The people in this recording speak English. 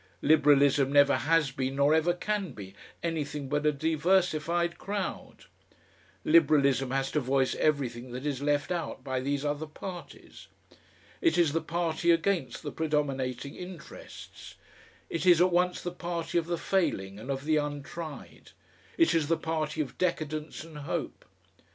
Liberalism never has been nor ever can be anything but a diversified crowd. Liberalism has to voice everything that is left out by these other parties. It is the party against the predominating interests. It is at once the party of the failing and of the untried; it is the party of decadence and hope.